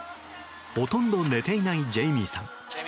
ほとんど寝ていないジェイミーさん。